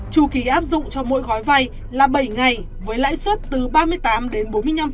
trù kỳ áp dụng cho mỗi gói vay là bảy ngày với lãi suất từ ba mươi tám đến bốn mươi năm